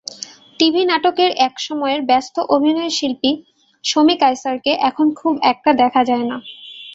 TV নাটকের একসময়ের ব্যস্ত অভিনয়শিল্পী শমী কায়সারকে এখন খুব একটা দেখা যায় না।